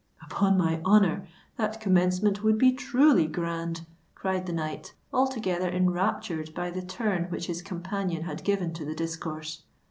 "Upon my honour, that commencement would be truly grand!" cried the knight, altogether enraptured by the turn which his companion had given to the discourse.